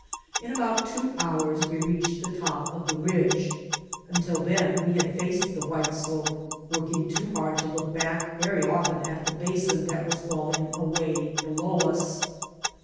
In about two hours we reached the top of the ridge. Until then we had faced the white slope, working too hard to look back [i86] The High White Peaks very often at the basin that was falling away below us.